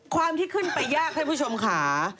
ความที่ขึ้นไปยากให้ผู้ชมขา